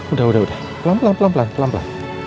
udah udah udah pelan pelan pelan